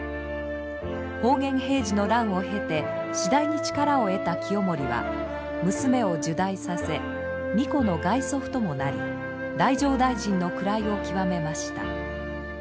保元・平治の乱を経て次第に力を得た清盛は娘を入内させ皇子の外祖父ともなり太政大臣の位を極めました。